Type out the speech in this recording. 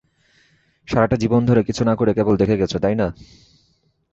সারাটা জীবন ধরে কিছু না করে কেবল দেখে গেছো, তাই না?